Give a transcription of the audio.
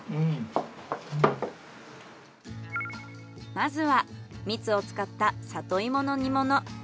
まずは蜜を使った里芋の煮物。